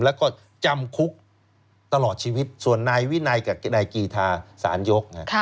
แล้วก็จำคุกตลอดชีวิตส่วนนายวินัยกับนายกีธาสารยก